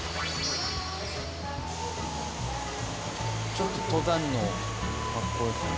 ちょっと登山の格好ですね。